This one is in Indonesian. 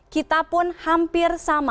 kita pun hampir sama